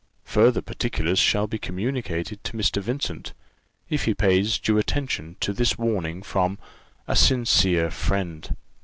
Further particulars shall be communicated to Mr. Vincent, if he pays due attention to this warning from "A SINCERE FRIEND."